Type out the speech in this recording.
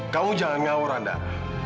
kamu jangan ngawur andara